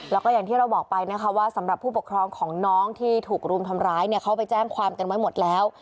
แล้วก็อย่างที่เราบอกไปนะคะว่าสำหรับผู้ปกครองของน้องที่ถูกรุมทำร้ายเนี่ยเขาไปแจ้งความกันไว้หมดแล้ว